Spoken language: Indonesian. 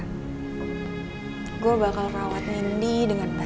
hai gue bakal rawat mendi dengan baik